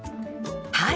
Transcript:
はい！